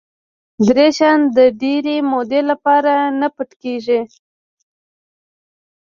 دری شیان د ډېرې مودې لپاره نه پټ کېږي.